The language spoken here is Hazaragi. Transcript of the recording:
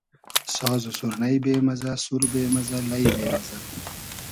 ساز و سورنݷ بې مئزۂ, سور بې مئزۂ ,لݷ بې مئزۂ